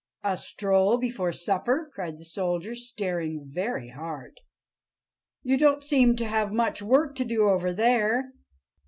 "A stroll before supper!" cried the soldier, staring very hard. "You don't seem to have much work to do over there."